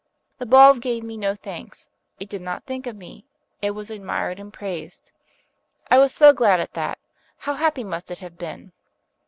The bulb gave me no thanks, it did not think of me it was admired and praised. I was so glad at that: how happy must it have been!